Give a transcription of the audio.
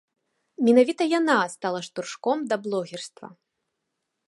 Менавіта яна стала штуршком да блогерства.